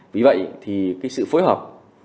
vì vậy thì cái sự phối hợp